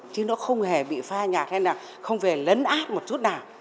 chứ nó không hề bị pha nhạc hay là không hề lấn át một chút nào